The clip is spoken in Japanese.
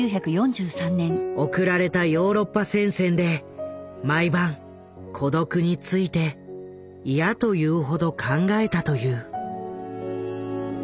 送られたヨーロッパ戦線で毎晩孤独について嫌というほど考えたという。